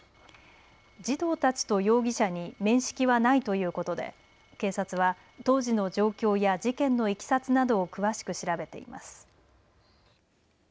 児童たちと容疑者に面識はないということで警察は、当時の状況や事件のいきさつなどを詳しく調べています。